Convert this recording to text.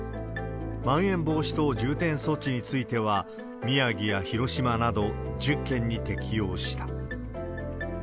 まん延防止等重点措置については、宮城や広島など１０県に適用した。